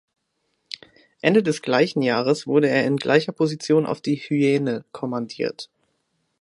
Ende des gleichen Jahres wurde er in gleicher Position auf die "Hyäne" kommandiert.